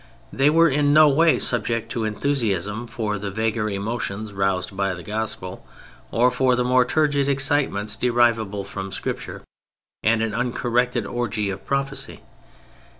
They were in no way subject to enthusiasm for the vaguer emotions roused by the Gospel or for the more turgid excitements derivable from Scripture and an uncorrected orgy of prophecy.